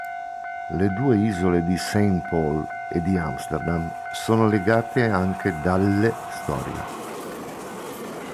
Le due isole di Saint Paul e di Amsterdam sono legate anche dalle storia.